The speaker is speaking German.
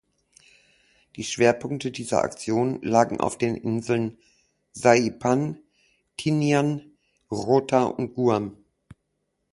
Die Schwerpunkte dieser Aktion lagen auf den Inseln Saipan, Tinian, Rota und Guam.